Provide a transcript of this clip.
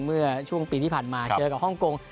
เมื่อช่วงปีที่ผ่านมาเจอกับฮ่องกง